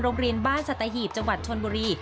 โรงเรียนบ้านสัตหีบจังหวัดชนบุรี